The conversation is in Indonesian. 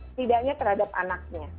setidaknya terhadap anaknya